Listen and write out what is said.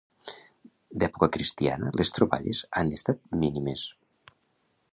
D'època cristiana les troballes han estat mínimes.